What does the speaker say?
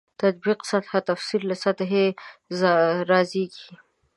تطبیق سطح تفسیر له سطحې رازېږي.